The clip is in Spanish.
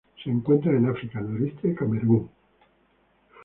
Se encuentran en África: noroeste de Camerún.